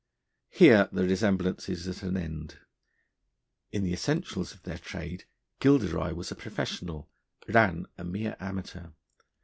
Here the resemblance is at an end. In the essentials of their trade Gilderoy was a professional, Rann a mere amateur.